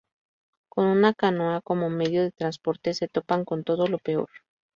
Con una canoa como medio de transporte, se topan con todo lo peor.